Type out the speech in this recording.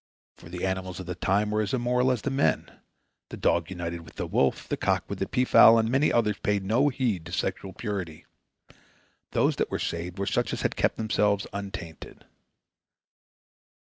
For the animals of the time were as immoral as the men: the dog united with the wolf, the cock with the pea fowl, and many others paid no heed to sexual purity. Those that were saved were such as had kept themselves untainted.